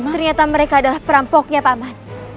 ternyata mereka adalah perampoknya paman